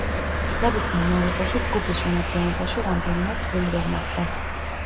წლების განმავლობაში ჯგუფის შემადგენლობაში რამდენიმე ცვლილება მოხდა.